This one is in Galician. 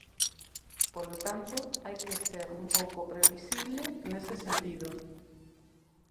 Polo tanto, hai que ser un pouco previsible nese sentido.